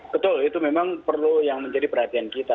betul itu memang perlu yang menjadi perhatian kita